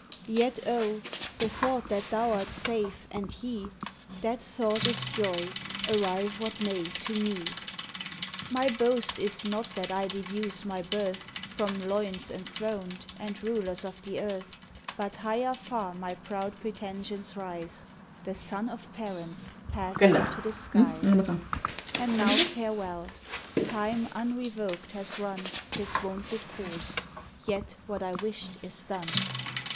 Yet (). the thought that thou art safe, and he!— That thought is joy. arrive what may to me. Mv boast is not that I deduce mv birth From loins enthroned, and rulers of the earth; But higher far my proud pretensions rise,— Digitized by Google ABOUT CHILDREN. 83 The son of parents passed into the skies. And now, farewell! Time, unrevoked, has run His wonted course; yet what I wished is done.